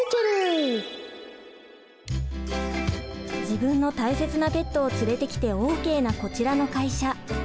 自分の大切なペットを連れてきてＯＫなこちらの会社。